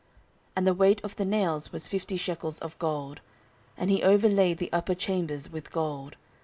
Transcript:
14:003:009 And the weight of the nails was fifty shekels of gold. And he overlaid the upper chambers with gold.